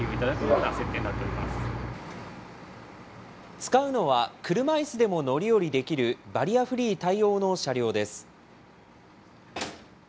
使うのは車いすでも乗り降りできるバリアフリー対応の車両です。